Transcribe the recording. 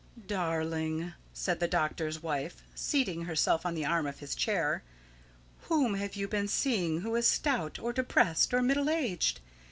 "Darling," said the doctor's wife, seating herself on the arm of his chair, "whom have you been seeing who is stout, or depressed, or middle aged?